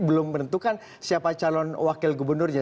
belum menentukan siapa calon wakil gubernurnya